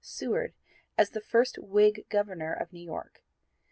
Seward, as the first Whig Governor of New York.